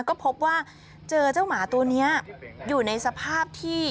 ก็พบว่าเจอเจ้าหมาตัวนี้อยู่ในสภาพที่